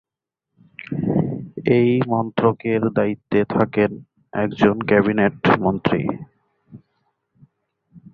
এই মন্ত্রকের দায়িত্বে থাকেন একজন ক্যাবিনেট মন্ত্রী।